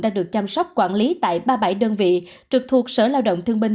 đang được chăm sóc quản lý tại ba mươi bảy đơn vị trực thuộc sở lao động thương binh